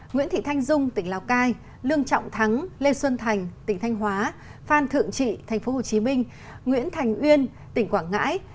nguyễn thị thanh dung tỉnh lào cai lương trọng thắng lê xuân thành tỉnh thanh hóa phan thượng trị tỉnh hồ chí minh nguyễn thành uyên tỉnh quảng ngãi